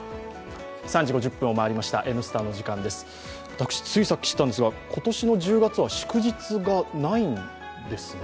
私、ついさっき知ったんですが今年の１０月は祝日がないんですね。